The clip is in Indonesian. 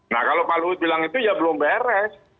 nah kalau pak luhut bilang itu ya belum beres